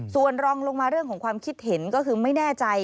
ส่วนรองลงมาเรื่องของความคิดเห็นก็คือไม่แน่ใจ